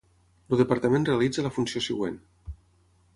El departament realitza la funció següent.